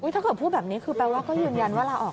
ถ้าเกิดพูดแบบนี้คือแปลว่าก็ยืนยันว่าลาออก